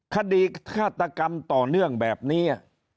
ฆาตกรรมต่อเนื่องแบบนี้